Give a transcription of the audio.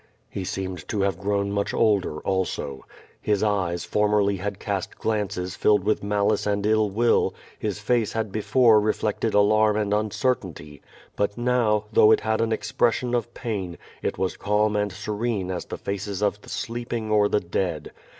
He seemed to have grown much older also^ 464 Ot70 VADtS. His eyes formerly had east glances filled with malice and ill willy his face had before reflected alarm and uncertainty, but now, though it had an expression of pain, it was calm and se rene as the faces of the sleeping or the dead.